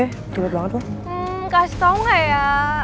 hmm kasih tau ga ya